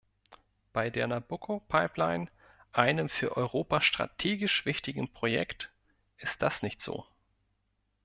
Bei der Nabucco-Pipeline, einem für Europa strategisch wichtigem Projekt, ist das nicht so.